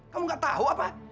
kamu nggak tahu apa